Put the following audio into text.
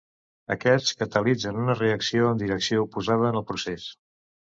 Aquests catalitzen una reacció en direcció oposada en el procés.